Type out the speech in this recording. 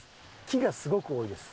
木がすごく多いです。